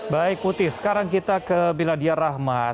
baik putih sekarang kita ke biladia rahmat